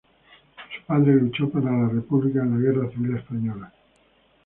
Su padre luchó para la república en la Guerra Civil Española.